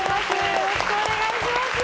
よろしくお願いします。